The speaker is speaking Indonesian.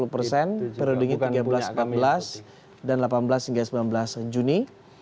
periodenya tiga belas empat belas dan delapan belas hingga sembilan belas juni